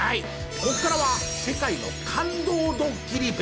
ここからは世界の感動ドッキリＢＥＳＴ３。